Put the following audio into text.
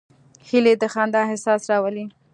هیلۍ د خندا احساس راولي